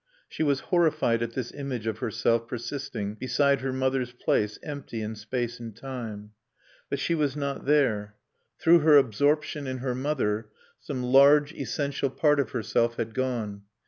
She was horrified at this image of herself persisting beside her mother's place empty in space and time. But she was not there. Through her absorption in her mother, some large, essential part of herself had gone.